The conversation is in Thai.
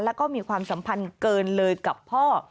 แล้วก็มีความสัมพันธ์เกินเลยกับพ่อ